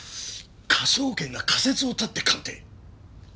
科捜研が仮説を立てて鑑定？